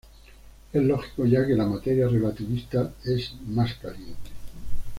Es lógico ya que la materia relativista es más "caliente".